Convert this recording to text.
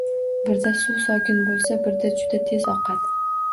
Birda suv sokin bo`lsa, birda juda tez oqadi